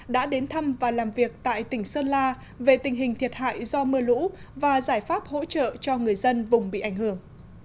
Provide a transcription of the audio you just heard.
đã đến thăm và làm việc tại tỉnh sơn la về tình hình thiệt hại do mưa lũ và giải pháp hỗ trợ cho người dân vùng bị ảnh hưởng